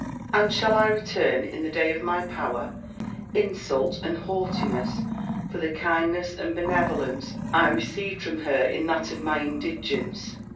And shall I return, in the day of my power, insult and haughtiness for the kindness and benevolence I received from her in that of my indigence!